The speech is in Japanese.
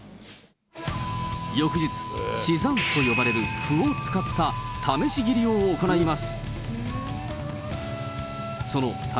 翌日、試斬麩と呼ばれるふを使った試し切りを行います。